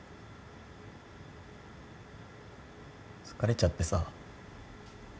疲れちゃってさ。